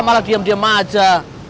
malah diam diam aja